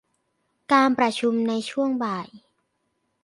การประชุมในช่วงบ่าย